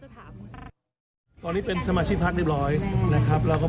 ก็ตอนนี้ผมก็อย่างที่เรียนนะครับ